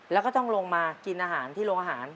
แล้วก็ต้องลงมากินอาหารที่โรงอาหาร